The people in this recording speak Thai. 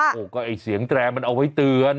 โอ้โหก็ไอ้เสียงแตรมันเอาไว้เตือน